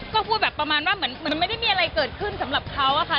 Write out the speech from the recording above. ก็พูดแบบประมาณว่าเหมือนไม่ได้มีอะไรเกิดขึ้นสำหรับเขาอะค่ะ